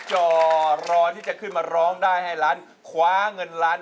จอรอที่จะขึ้นมาร้องได้ให้ล้านคว้าเงินล้าน